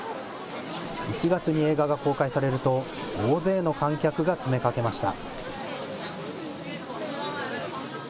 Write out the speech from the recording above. １月に映画が公開されると、大勢の観客が詰めかけました。